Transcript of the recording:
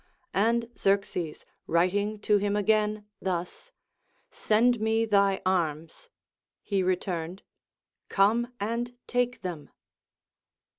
And Xerxes writing to him again thus, Send me thy arms, he returned. Come and take them.